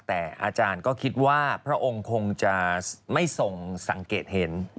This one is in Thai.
แต่อาจารย์ก็คิดว่าพระองค์คงจะไม่ทรงสังเกตเห็น